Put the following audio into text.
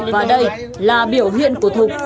và đây là biểu hiện của thục